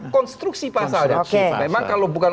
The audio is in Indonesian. konstruksi pasalnya memang kalau bukan